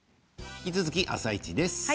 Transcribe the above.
引き続き「あさイチ」です。